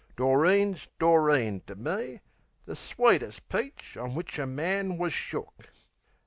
Doreen's Doreen to me, The sweetest peach on w'ich a man wus shook.